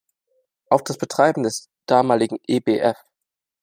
Auf das Betreiben des damaligen Ebf.